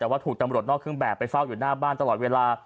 แต่ว่าถูกตำรวจนอกเครื่องแบบไปเฝ้าอยู่หน้าบ้านตลอดเวลา